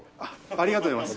ありがとうございます。